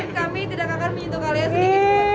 kami tidak akan menyentuh kalian sedikit